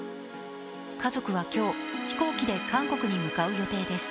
家族は今日、飛行機で韓国に向かう予定です。